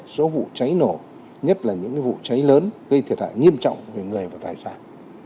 số vụ cháy nổ nhất là những vụ cháy lớn gây thiệt hại nghiêm trọng về người và tài sản